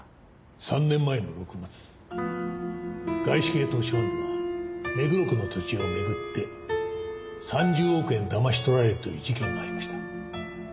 ３年前の６月外資系投資ファンドが目黒区の土地を巡って３０億円だまし取られるという事件がありました。